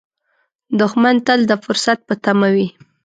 دښمن تل د فرصت په تمه وي